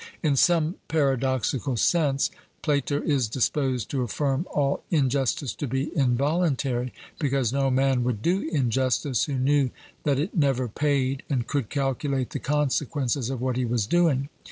In some paradoxical sense Plato is disposed to affirm all injustice to be involuntary; because no man would do injustice who knew that it never paid and could calculate the consequences of what he was doing.